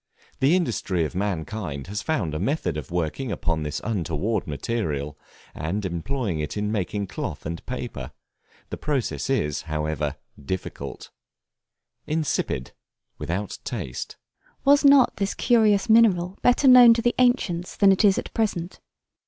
The industry of mankind has found a method of working upon this untoward mineral and employing it in making cloth and paper; the process is, however, difficult. Insipid, without taste. Was not this curious mineral better known to the ancients than it is at present?